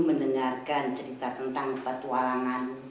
mendengarkan cerita tentang petualangan